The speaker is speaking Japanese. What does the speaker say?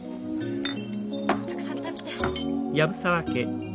たくさん食べて。